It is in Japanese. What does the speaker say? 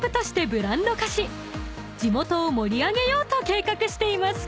［地元を盛り上げようと計画しています］